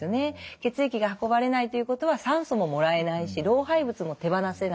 血液が運ばれないということは酸素ももらえないし老廃物も手放せない。